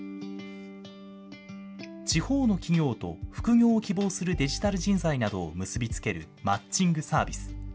地方の企業と副業を希望するデジタル人材などを結び付けるマッチングサービス。